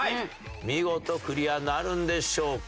見事クリアなるんでしょうか？